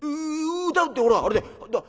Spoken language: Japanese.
「歌うってほらあれだよ